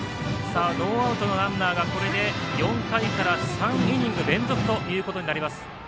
ノーアウトのランナーが４回から３イニング連続となります。